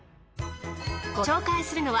ご紹介するのは。